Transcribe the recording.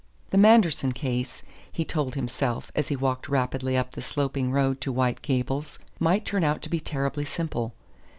The Manderson case, he told himself as he walked rapidly up the sloping road to White Gables, might turn out to be terribly simple.